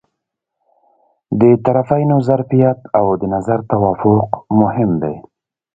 د طرفینو ظرفیت او د نظر توافق مهم دي.